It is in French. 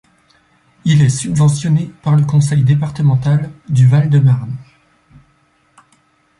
Il est subventionné par le conseil départemental du Val-de-Marne.